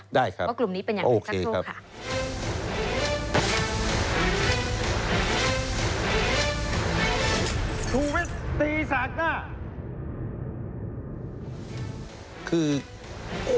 ได้ครับโอเคครับว่ากลุ่มนี้เป็นอย่างไรครับทุกค่ะ